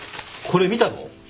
これ見たの？